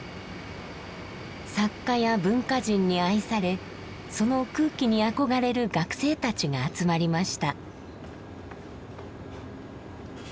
作家や文化人に愛されその空気に憧れる学生たちが集まりました。